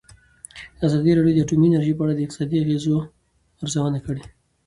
ازادي راډیو د اټومي انرژي په اړه د اقتصادي اغېزو ارزونه کړې.